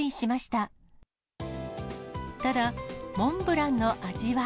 ただ、モンブランの味は。